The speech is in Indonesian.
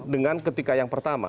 dengan ketika yang pertama